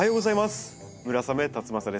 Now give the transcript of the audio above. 村雨辰剛です。